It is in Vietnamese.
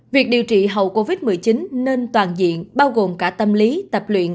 việc điều trị hậu covid một mươi chín nên toàn diện bao gồm cả tâm lý tập luyện